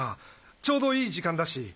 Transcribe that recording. ちょうどいい時間だし。